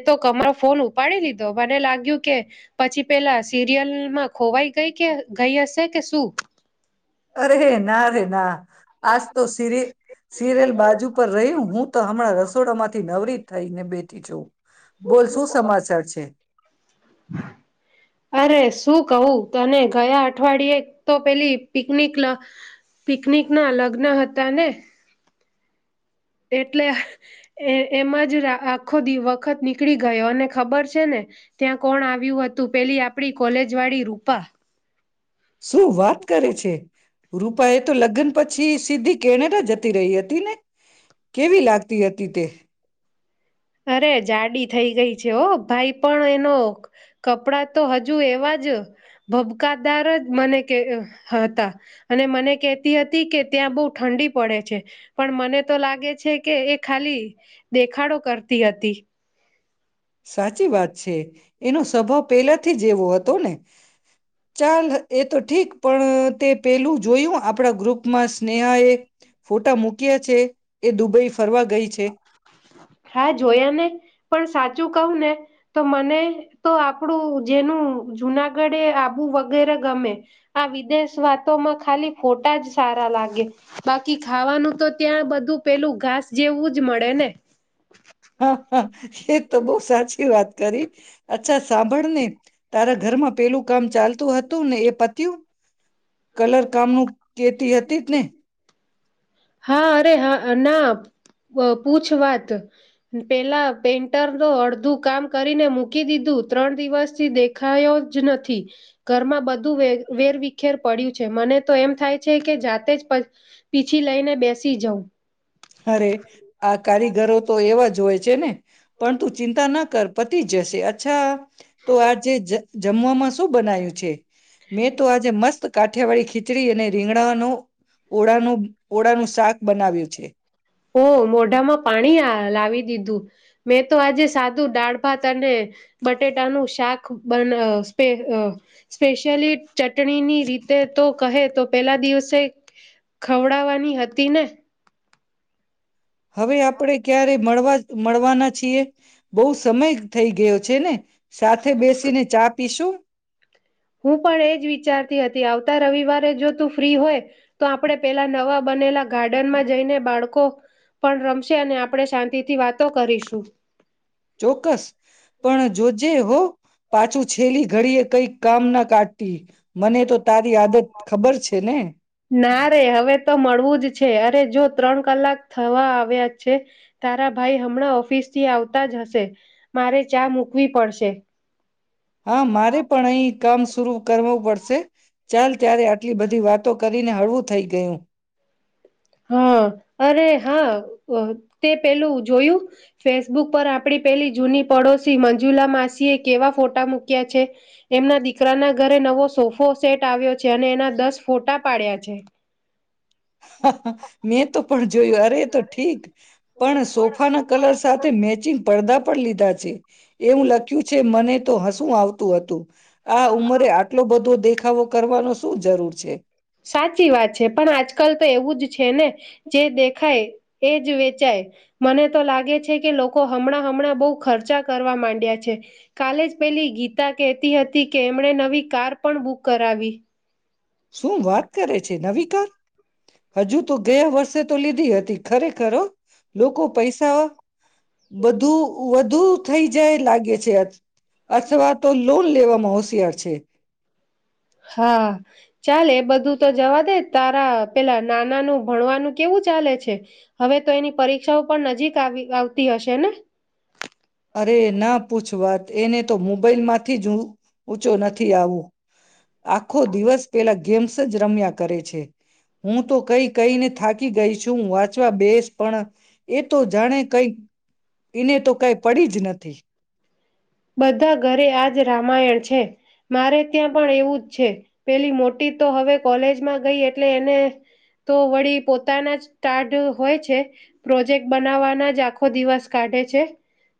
એ તો કમરો ફોન પડી દીધો મને લાગ્યું કે પછી પેલા સીરિયલમાં ખોવાઈ ગઈ કે ગઈ હશે કે શું અરે ના રરે ના આજ તો સિર સિરેલ બાજુ પર રહ્યું હું તો હમણાં રસોડા માંથી નવરી થઈને બેઠી છઉ બોલ શું સમાચાર છે અરે શું કવું તને ગયા અઠવાડિયે તો પેલી પિકનિક પિકનિક ના લગ્ન હતા ને એટલે એમ જ આખો વખત નીકળી ગયો અને ખબર છે ને ત્યાં કોણ આવ્યું હતું પેલી આપડી કોલેજ વાળી રૂપા શું વાત કરે છે રૂપા એ તો લગ્ન પછી સીધી કેણેર જ રહી હતી ને કેવી લાગતી હતી તે અરે જાડી થઈ ગઈ છે ઓ ભાઈ પણ એનો કપડાં તો હજુ એવા જ ભબકાદાર જ મને હતા અને મને કેહેતી હતી કે ત્યાં બહુ ઠંડી પડે છે પણ મને તો લાગે છે કે એ ખાલી દેખાડો કરતા હતી હતી હતી સાચી વાત છે એનો સ્વભાવ પહેલાથી જેવો હતો ને ચાલ એ તો ઠીક પણ તે પેલું જ જોયું આપણા ગ્રુપમાં સ્નેહાએ ફોટા મૂક્યા છે એ દુબઈ ફરવા ગઈ છે જુ કહું ને તો મને તો આપણું જેનું જુનાગઢ એ આબુ વગેરે ગમે આ વિદેશ વાતોમાં ખાલી ખોટા જ સારા લાગે બાકી ખાવાનું તો ત્યાં બધું પેલું ઘાસ જેવું જ મળે ને. હા હ એ તો બહ સાચી વાત કરી અચ્છા સાંભળ ને તારા ઘરમાં પેલું કામ ચાલતું હતું ને એ પતું કલર કામનું કેતી હતી જ ને. હા અરે હા ના પૂછ વાત પેલા પેન્ટરનું અડધું કામ કરીને મૂકી દીધું ત્રણ દિવસ થી દેખાયો જ નથી ઘરમાં બધું વેરવખેર પડ્યું છે મને તો એમ થાય છે કે જાતે જ પછ છથી લઈને બેસી જાઉં. અરે આ કારીગરો તો એવા જ હોય છે. છેે ને. પણ તું ચિંતા ના કર. પતિ જૈસે અચ્છા. તો આજે જમવામાં શું બનાય્યું છે મેં તો આજે મસ્ત કાઠિયાવાળી ખીચડી અને રીંગડા અનું ઓળાનું ઓળા નું શાક બનાવ્યું છે. ઓ મોઢામાં પાણી લાવી દીધું મેં તો આજે સાદું દાળ ભાત અને બટેટાનું શાક બ સ્પેશિયલી ચટણીની રીતે તો કહે તો પેલા દિવસે ખવડાવવાની હતી ને. હવે આપ આપડણે ક્યારે મળવા મળવાના છીએ બહુ સમય થઈ ગ ગયો છે ને. સાથે બેસીને ચા પીશું. હું પણ એજ વિચારતી હતી આવતા રવિવારે જો તું ફ્રી હોય તો આપણે પેલા નવા બનેલા ગાર્ડનમાં જઈને બાળકો પણ રમશે અને આપણે શાંતિથી વાતો કરીશું. ચોક્કસ પણ જોજે હો. પાછું છેલી ઘડી એ કઈક કામ ના કાઢ મને તો તારી આદત ખબર છે ને. ના રે હવે તો મળવું જ છે અરે જો ત્રણ કલાક થવા આવ્યા છે તારા ભાઈ હમણાં ઓફિસ થી આવતા જ હશે મારે ચા મૂકવી પડશે. હા મારે પણ અહી કામ શરૂ કરવો પડશે. ચાલ ત્યારે આટલી બધી વાત તો કરીને હળવું થઈ ગયું. હા, અરે હા તે પેલું જોયું ફેસબુક પર આપણી પેલી જૂની પડોશી મંજુલા માસી એ કેવા ફોટા મૂક્યા છે એમના દીકરાના ઘરે નવો સોફો સેટ આવ્યો છે અને એના દસ ફોટા પાડ્યા છે. મેં તો પણ જોયું અરે તો ઠીક પણ સોફાના કલર સાથે મેચિંગ પડદા પણ લીધા છે. એવું લખ્યું છે મને તો હસું આવતું [inaudible] આ ઉંમરે આટલો બધો દેખ દેખાવો કરવાનો શું જરૂર છે. સાચી વાત છે પણ આજકાલ તો એવું જ છે ને જે દેખાય એજ વેચાય મને તો લાગે છે કે લોકો હમણાં હમણાં બહુ ખર્ચા કરવા માંડ્યા છે કાલે જ પેલી ગીતા કહેતી હતી કે એમણે નવી કાર પણ બુક કરાવી. શું વાત કરે છે નવી કર હજુ તો ગયા વર્ષે તો લીધી હતી ખરેખરો લોકો પૈસા બધું વધુ થઈ જાય લાગે છે અથવા તો લોન લેવામાં હોશિયાર છે છે હા ચાલે એ બધું તો જવા દે તારા પેલા નાનાનું ભણવાનું કેવું ચાલે છે હવે તો એની પરીક્ષાઓ પણ નજીક આવી આવતી હશે ને અરે ના પૂછવાત એને તો મોબાઈલ માંથી જ હ ઊંચો નથી આવું આખો દિવસ પેલા ગેમ્સ જ રમ્યા કરે છે હું તો કઈ કઈને થાકી ગઈ છુંું વાંચવા બેસ પણ એ તો જાણે કઈક એને તો કઈ પડી જ નથી બધા ઘરે આજ રામાયણ છે મારે ત્યાં પણ એવું જ છે પેલી મોટી તો હવે કોલેજમાં ગઈ એટલે એને તો વળી પોતાના જ્ટાર હોય છે પ્રોજેક્ટ બનાવવાના જ આખો દિવસ કાઢે છે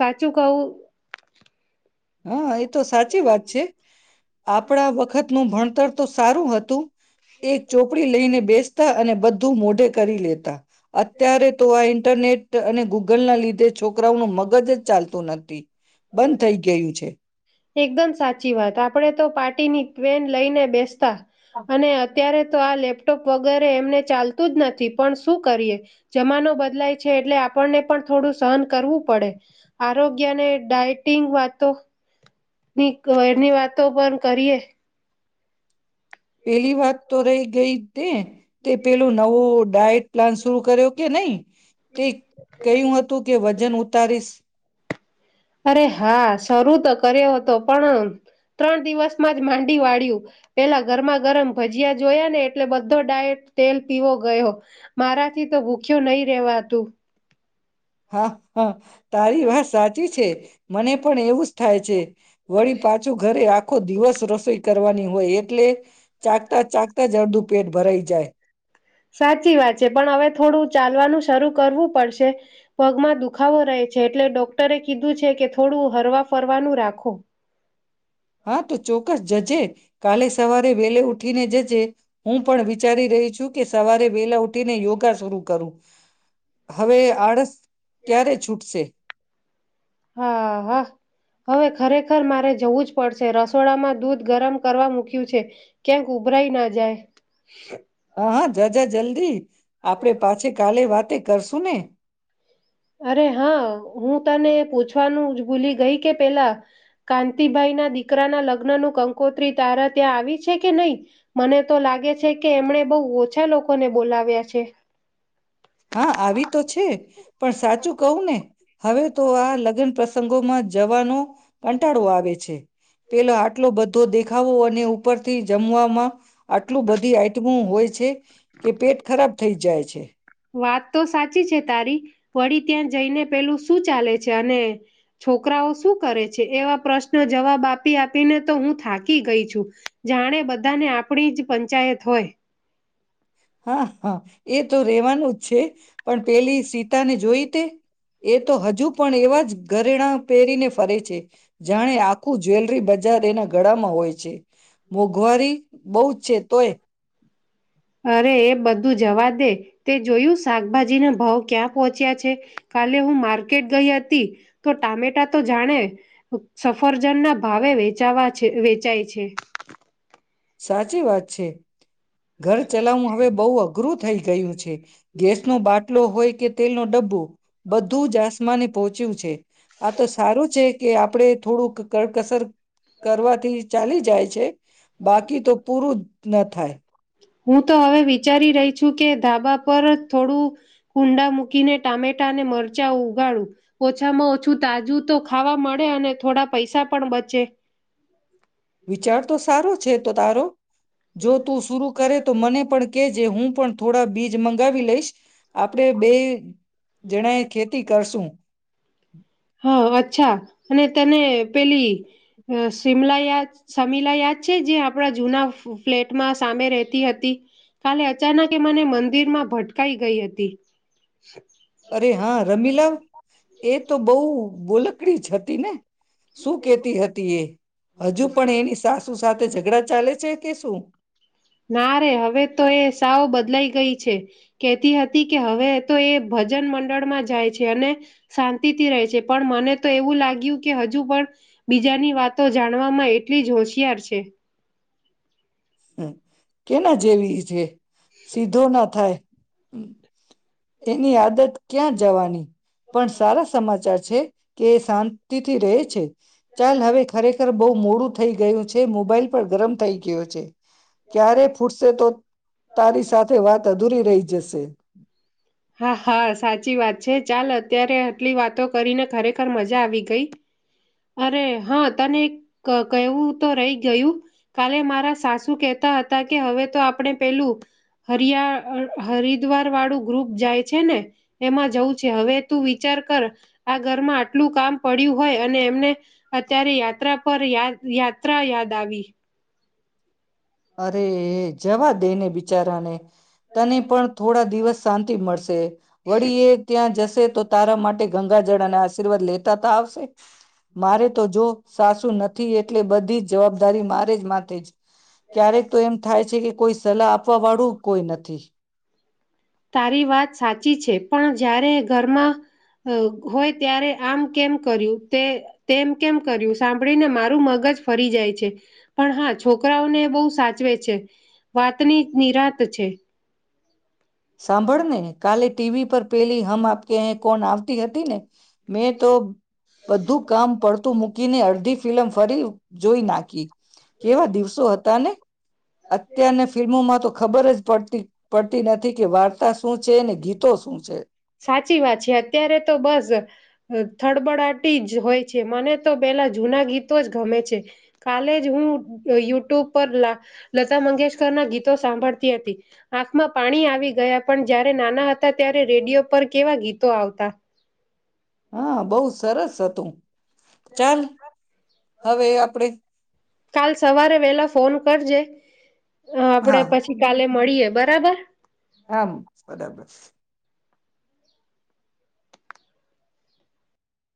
સાચું કવું હા આ સાચી વાત છે આપણા વખતનુંું ભણતર તો સારું હતું એક ચોપડી લઈને બેસ ત અને બધું મોઢે કરી લેતા અત્યારે તો આ ઇન્ટરનેટ અને ગૂગલ ના લીધે છોકરાઓ નું મગજ જ ચાલતું નથી બંધ થઈ ગયું છે એકદમ સાચી વાત આપડે તો પાર્ટી ની ટન લઈને બેસ્ટ અને અત્યારે તો આ લેપટોપ વગેરે એમને ચાલતું જ નથી પણ શું કરીએ જમાનો બદલાય છે એટલે આપણને પણ થોડું સહન કરવું પડે આરોગ્યને ડાયટિંગ વાતો ની ઘરની વાતો પણ કરીએ પેલી વાત તો રહી ગઈ તે તે પેલું નવું ડાયટ પ્લાન શરુ કર્યો કે નહી તે કય્યું હતું કે વજન પરસ અરે હા શરૂ તો કર્યો હતો પણ ત્રણ દિવસમાં જ માંડી વાળ્યું પેલા ગરમા ગરમ ભજીયા જોયા ને એટલે બધો ડાયટ તેલ પીવો ગયો મારાથી તો ભૂખ્યો નહી રેવાતું હા હા તારી વાત સાચી છે મને પણ એવું જ થાય છે વળી પાછું ઘરે આખો દિવસ રસોઈ કરવાની હોય એટલે ચાકતા ચાકતા જ અડધું પેટ ભરાઈ જાય જાય સાચી વાત છે પણ હવે થોડું ચાલવાનું શરૂ કરવું પડશે પગમાં દુખાવો રહે છે એટલે ડોક્ટરે કીધું છે કે થોડું હરવા ફરવાનું રાખો હા તો ચોક્કસ જજે કાલે સવારે વેલે ઉઠ કને જે જે હું પણ વિચારી રહી છું કે સવારે વેલા ઉઠી ને યોગા શરુ કરું હવે આળસ ક્યારે છૂટશે હા હા હવે ખરેખર મારે જવું જ પડશે રસોડામાં દૂધ ગરમ કરવા મુૂક્યું છે ક્યાંક ઉભરાઈ ના જાય હા હા જ જ જલ્દી આપણે પાછી કાલે વાતે કરશું ને અરે હા હું તને પૂછવાનું ભૂલી ગઈ કે પેલા કાંતિભાઈ ના દીકરાના લગ્ન ન કંકોત્રી તારા ત્યાં આવી છે કે નહીં મને તો લાગે છે કે એમણે બહુ ઓછા લોકોને બોલાવ્યા છે હા આવી તો છે પણ સાચું કવું ને હવે તો આ લગ્ન પ્ર સંઘોમાં જવાનો કંટાળવા આવે છે પેલો આટલો બધો દેખ ખાવો અને ઉપરથી જમવામાં આટલું બધી આઈટમો હોય છે કે પેટ ખરાબ થઈ જાય છે વાત તો સાચી છે તારી વળી ત્યાં જઈને પેલું શું ચાલે [inaudible] [inaudible] છોકરાઓ શું કરે છે એવા પ્રશ્ન જવાબ આપી આપીને તો હું થાકી ગઈ છું જાણે બધાને આપણી જ પંચાયત હોય હા હા એ તો રેવાનું જ છે પણ પેલી સીતા ને જોઈ તે એ તો હજુ પણ એવા જ ઘરેણા પહેરીને ફરે છે જાણે આખું જ્વેલરી બ જાર એના ગડા માં હોય છે. મોંઘવારી બઉ જ છે. તો એ. અરે એ બધું જવા દે તે જોયું શાકભાજીના ભાવ ક્યાં પહોંચ્યા છે કાલે હું માર્કેટ ગઈ હતી તો ટામેટા તો જાણે સફરજનના ભાવે વચાવા છે વેચાય છે. સાચી વાત છે. ઘર ચલાવવું હવે બહુ અઘરું થઈ ગયું છે ગેસ નો બાટલો હોય કે તેલ નો ડબ્બો બધું જ આસમાને પહોંચ્યું છે. આ તો સારું છે કે આપ આપડે થોડુંક કડકસર કરવાથી ચાલી જાય. છે. બાકી તો પૂરું ન થાય. હું તો હવે વિચારી રહી છું કે ધાબા પર થોડું કુંડા મૂકીને ટામેટા અને મરચાં ઉગાડું ઓછામાં ઓછું તાજું તો ખાવા મળે અને થોડા પૈસા પણ બચે. વિચાર તો સારો છે તો તારો જો તું શુરૂ કરે તો મને પણ કેજ હું પણ થોડા બીજ મગાવી લઈશ. આપડે બે જણા એ ખેતી કરશું. [inaudible] હા અચ્છા અને તને પેલી શિમલા યાદ શમીલા યાદ છે જે આપણા જૂના ફ્લેટમાં સામે રહેતી હતી કાલે અચાનક એ મને મંદિરમાં ભટકાઈ ગઈ હતી. અરે હા રમીલા. એ તો બહ બોલકડી જ હતી ને શું કેતી હતી એ હજુ પણ એની સાસુ સાથે ઝઘડા ચાલે છે કે શું? ના રે હવે તો એ સાઓ બદલાઈ ગઈ છે કહેતી હતી કે હવે તો એ ભજન મંડળમાં જાય છે અને શાંતિથી રહે છે પણ મને તો એવું લાગ્યું કે હજુ પણ બીજાની વાતો જાણવામાં એટલી જ હોશિયાર છે. હમ્મ. કેના જેવી છે સીધો ના થાય. એની આદત ક્યાં જવાની પણ સારા સમાચાર છે કે એ શાંતિથી રહે છે ચાલ હવે ખરેખર બહુ મોડું થઈ ગયું છે મોબાઈલ પણ ગરમ થઈ ગ્યો છે. ક્યારે ફૂટશે તો તારી સાથે વાત અધૂરી રહી જશે. હા હા સાચી વાત છે ચાલ અત્યારે આટલી વાતો કરીને ખરેખર મજા આવી ગઈ અરે હા તને કહેવું તો રહી ગયું કાલે મારા સાસુ કહેતા હતા કે હવે તો આપણે પેલું હરિયા હરિદ્વાર વાળું ગ્રુપ જાય છે ને એમાં જવું છે હવે તું વિચાર કર આ ઘરમાં આટલું કામ પડ્યું હોય અને એમને અત્યારે યાત્રા પર યા યાત્રા યાદ આવી. અરે એ જવા દે ને બિચારાને. તને પણ થોડા દિવસ શાંતિ મળશે. વળી એ ત્યાં જસ તો તારા માટે ગંગા જળ અને આશીર્વાદ લેતા ત આવશે. મારે તો જો સાસુ નથી એટલે બધી જ જવાબદારી મારે જ માથે છે. ક્યારેક તો એમ થાય છે કે કોઈ સલાહ આપવા વાળું કોઈ નથી. તારી વાત સાચી છે પણ જ્યારે ઘરમાં હોય ત્યારે આમ કેમ કર્યું તે તેમ કેમ કર્યું સાંભળીને મારું મગજ ફરી જાય છે પણ હા છોકરાઓને બહુ સાચવે છે વાતની નિરાત છે. સાંભળને કાલે ટીવી પર પેલી હમ આપ કે અહીં કોણ આવતી હતી ને. મેં તો બધું કામ પડત મૂકીને અડધી ફિલ્લમ ફરી જોઈ નાખી. કેવા દિવસો હતા ને. અત્યારને ફિલ્મોમાં તો ખબર જ પડતી પ્ટી નથી. કે વાર્તા શું છે ને ગીતો શું છે. સાચી વાત છે અત્યારે તો બસ થડબડાટી જ હોય છે, મને તો પેલા જૂના ગીતો જ ગમે છે, કાલે જ હું યુટ્યુબ પર લતા મંગેશકર ના ગીતો સાંભળતી હતી આંખમાં પાણી આવી ગયા પણ જયારે નાના હતા ત્યારે રેડિયો ઉપ કેવા ગીતો આવતા. તું. હવે આપણે કાલ સવારે વેલા ફોન કરજે. હ [inaudible] હા હા બરાબર આમ બરાબર.